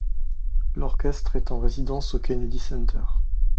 L'orchestre est en résidence au Kennedy Center.